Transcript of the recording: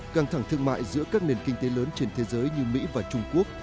căng thẳng thương mại giữa các nền kinh tế lớn trên thế giới như mỹ và trung quốc